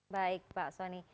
baik pak soni